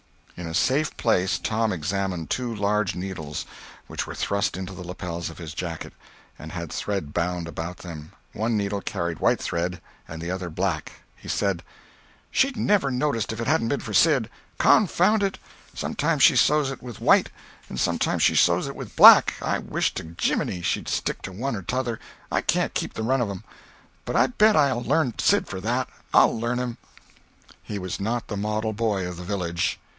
In a safe place Tom examined two large needles which were thrust into the lapels of his jacket, and had thread bound about them—one needle carried white thread and the other black. He said: "She'd never noticed if it hadn't been for Sid. Confound it! sometimes she sews it with white, and sometimes she sews it with black. I wish to gee miny she'd stick to one or t'other—I can't keep the run of 'em. But I bet you I'll lam Sid for that. I'll learn him!" He was not the Model Boy of the village.